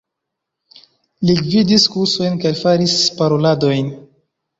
Li gvidis kursojn kaj faris paroladojn.